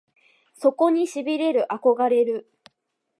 そこに痺れる憧れる